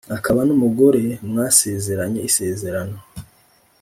akaba n’umugore mwasezeranye isezerano.